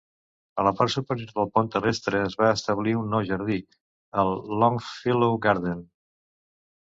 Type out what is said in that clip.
A la part superior del pont terrestre es va establir un nou jardí, el Longfellow Garden.